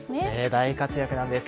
大活躍なんです。